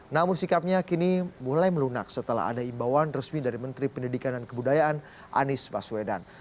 namun sikapnya kini mulai melunak setelah ada imbauan resmi dari menteri pendidikan dan kebudayaan anies baswedan